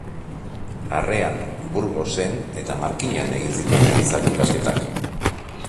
Larrean, Burgosen eta Markinan egin zituen Elizako ikasketak.